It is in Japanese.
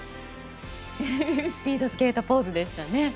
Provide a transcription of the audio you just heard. スピードスケートポーズでしたね。